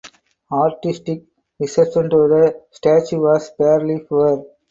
Artistic reception to the statue was fairly poor.